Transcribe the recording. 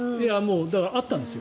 だからあったんですよ。